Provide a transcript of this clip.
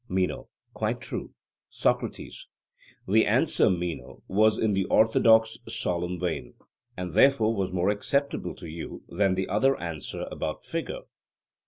MENO: Quite true. SOCRATES: The answer, Meno, was in the orthodox solemn vein, and therefore was more acceptable to you than the other answer about figure.